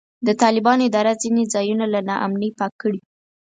د طالبانو اداره ځینې ځایونه له نا امنۍ پاک کړي.